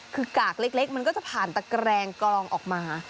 คือกากเล็กมันก็จะผ่านตะแกรงกรองออกมา